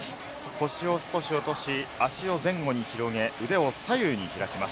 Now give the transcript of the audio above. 腰を少し落とし、足を前後に広げ、腕を左右に開きます。